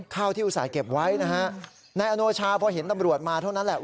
ข้าวที่อุตส่าห์เก็บไว้นะฮะนายอโนชาพอเห็นตำรวจมาเท่านั้นแหละ